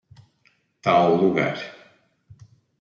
Tal lugar